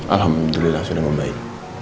alhamdulillah sudah membaik